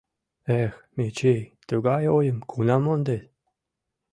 Эх, Мичий, тугай ойым кунам мондет?